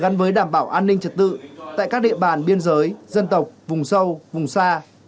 gắn với đảm bảo an ninh trật tự tại các địa bàn biên giới dân tộc vùng sâu vùng xa